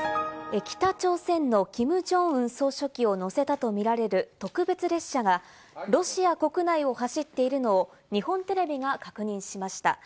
北朝鮮のキム・ジョンウン総書記を乗せたとみられる、特別列車がロシア国内を走っているのを日本テレビが確認しました。